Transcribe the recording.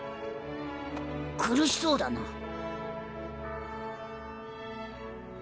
苦しそうだな。